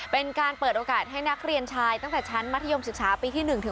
เป็นการเปิดโอกาสให้นักเรียนชายตั้งแต่ชั้นมัธยมศึกษาปีที่๑ถึง